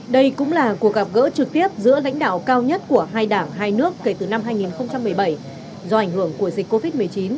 đây cũng là cuộc gặp gỡ trực tiếp giữa lãnh đạo cao nhất của hai đảng hai nước kể từ năm hai nghìn một mươi bảy do ảnh hưởng của dịch covid một mươi chín